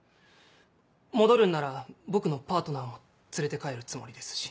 戻るんなら僕のパートナーも連れて帰るつもりですし。